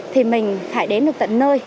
thì mình phải đến được tận nơi